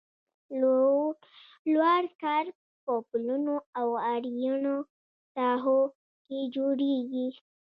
لوړ کرب په پلونو او غرنیو ساحو کې جوړیږي